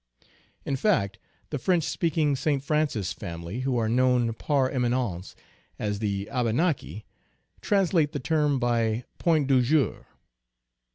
In fact, the French speaking St. Francis family, who are known par eminence as u the Abenaki," translate the term by point dujour.